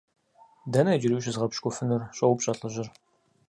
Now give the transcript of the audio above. - Дэнэ иджыри ущызгъэпщкӀуфынур? - щӀоупщӀэ лӏыжьыр.